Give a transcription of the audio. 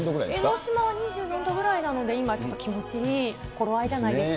江の島は２４度ぐらいなので、今、ちょっと気持ちいい頃合いじゃないですか。